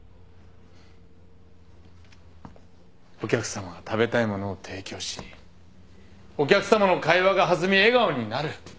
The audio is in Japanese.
お客さまが食べたい物を提供しお客さまの会話が弾み笑顔になる。